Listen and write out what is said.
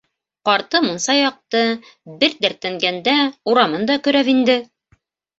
Ҡарты мунса яҡты, бер дәртләнгәндә урамын да көрәп инде.